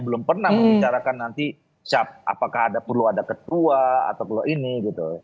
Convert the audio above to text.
belum pernah membicarakan nanti siapa apakah perlu ada ketua atau perlu ini gitu